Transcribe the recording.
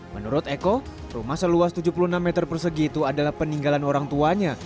menurut eko rumah seluas tujuh puluh enam meter persegi itu adalah peninggalan orang tuanya